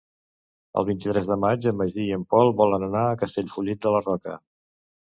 El vint-i-tres de maig en Magí i en Pol volen anar a Castellfollit de la Roca.